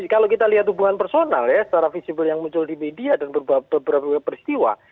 kalau kita lihat hubungan personal ya secara visible yang muncul di media dan beberapa peristiwa